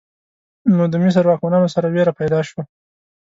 نو د مصر واکمنانو سره ویره پیدا شوه.